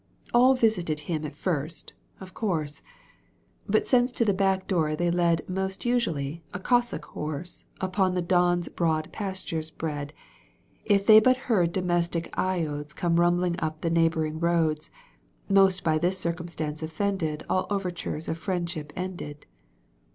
All visited him at first, of course ;]; But since to the backdoor they led Most usually a Cossack horse Upon the Don's broad pastures bred Digitized by VjOOQ 1С 40 EUGENE ON^GUINE. canto п. If they but heard domestic loads Come rumbling up the neighbouring roads, Most by this circumstance bflfended All overtures of friendship ended.